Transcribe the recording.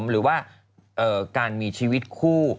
ก็คือการมีชีวิตคู่